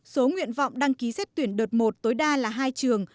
số nguyện vọng đăng ký xét tuyển đợt một tối đa là hai trường